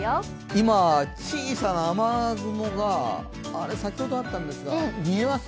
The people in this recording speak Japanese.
今、小さな雨雲があれっ、先ほどあったんですが、見えます？